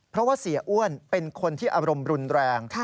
เพราะว่าเสียอ้วนเป็นคนที่อารมณ์รุนแรง